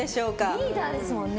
リーダーですもんね。